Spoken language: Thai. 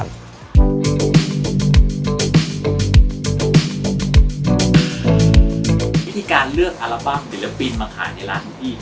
เลือกอัลบั้มดิลลับปินมาขายในร้านทุกที่